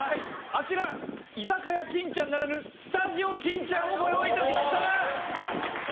あちら居酒屋金ちゃんならぬスタジオ金ちゃんをご用意致しました。